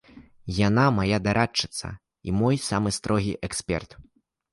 Яна мая дарадчыца і мой самы строгі эксперт.